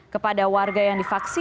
kepada warga yang diperhatikan